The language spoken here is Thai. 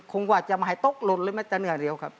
คงกว่าจะมาให้ตกหรอหรือไม่จะอยากเลี้ยวครับ